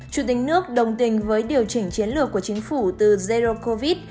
chủ tịch nước đồng tình với điều chỉnh chiến lược của chính phủ từ jero covid